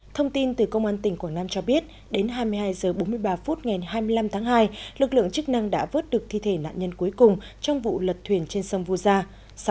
thông tin từ công an tỉnh quảng nam cho biết đến hai mươi hai h bốn mươi ba phút ngày hai mươi năm tháng hai lực lượng chức năng đã vớt được thi thể nạn nhân cuối cùng trong vụ lật thuyền trên sông vu gia